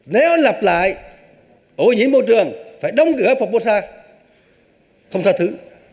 nếu lặp lại ổ nhiễm bộ trường phải đóng cửa phobosar không tha thứ